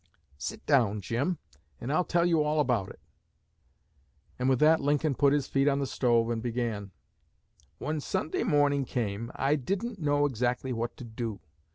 'Sit down, Jim, and I'll tell you all about it.' And with that Lincoln put his feet on the stove, and began: 'When Sunday morning came, I didn't know exactly what to do.